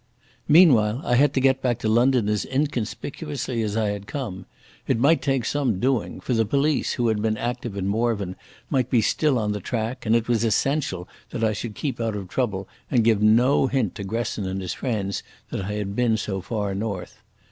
Meantime I had to get back to London as inconspicuously as I had come. It might take some doing, for the police who had been active in Morvern might be still on the track, and it was essential that I should keep out of trouble and give no hint to Gresson and his friends that I had been so far north.